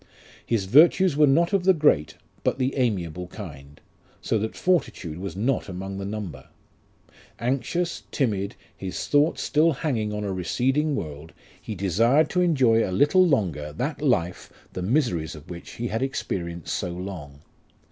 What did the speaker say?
His virtues were not of the great, but the amiable kind ; so that fortitude was not among the number. Anxious, timid, his thoughts still hanging on a receding world, he desired to enjoy a little longer that life, the miseries of which he had experienced so long.